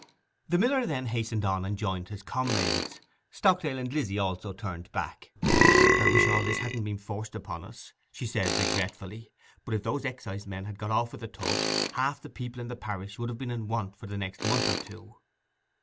The miller then hastened on and joined his comrades. Stockdale and Lizzy also turned back. 'I wish all this hadn't been forced upon us,' she said regretfully. 'But if those excisemen had got off with the tubs, half the people in the parish would have been in want for the next month or two.